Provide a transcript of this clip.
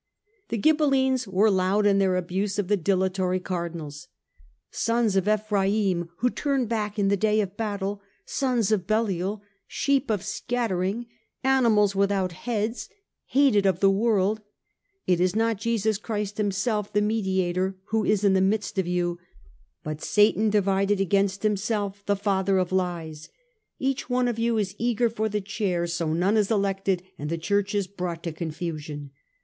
The Ghibellines were loud in their abuse of the dilatory Cardinals. " Sons of Ephraim who turn back in the day of battle ! sons of Belial ! sheep of scattering ! animals without heads, hated of the world ! It is not Jesus Christ Himself, the Mediator, who is in the midst of you, but Satan divided against himself, the father of lies. Each one of you is eager for the Chair, so none is elected and the Church is brought to confusion.